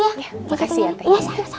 ya terima kasih ya